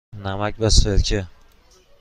نمک و سرکه.